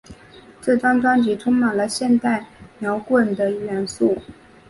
这张专辑充满了现代摇滚的元素。